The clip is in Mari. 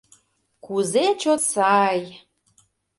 — Кузе чот сай!